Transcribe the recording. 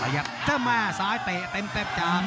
ยัดก็มาซ้ายเตะเต็มจาก